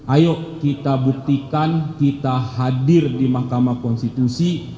ayo kita buktikan kita hadir di mahkamah konstitusi